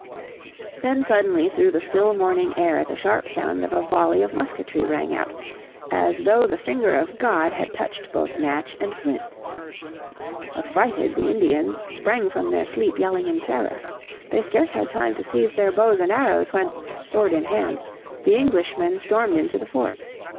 Then suddenly through the still morning air the sharp sound of a volley of musketry rang out "as though the finger of God had touched both match and flint." Affrighted, the Indians sprang from their sleep yelling in terror. They scarce had time to seize their bows and arrows when, sword in hand, the Englishmen stormed into the fort.